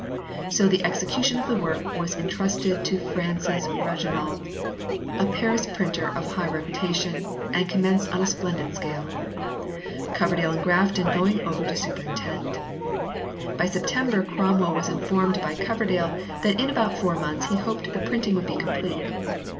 So the execution of the work was en trusted to Francis Regnault, a Paris printer of high reputation, and commenced on a splendid scale ; Coverdale and Grafton going over to superintend. By September Cromwell was informed by Coverdale that in about four months he hoped the printing would be complete.